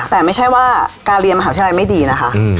แต่ไม่ใช่ว่าการเรียนมหาวิทยาลัยไม่ดีนะคะ